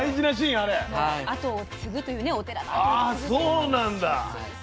ああそうなんだ。